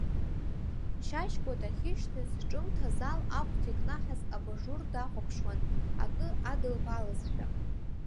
Шьашькәа дахьышьҭаз, ҿымҭ азал агәҭа икнаҳаз абажур дахәаԥшуан, акы адылбалазшәа.